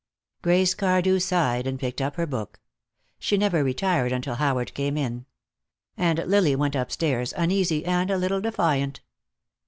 Grace Cardew sighed and picked up her book. She never retired until Howard came in. And Lily went upstairs, uneasy and a little defiant.